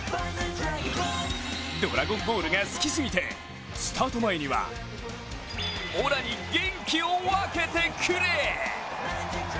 「ドラゴンボール」が好きすぎてスタート前には「オラに元気を分けてくれ！」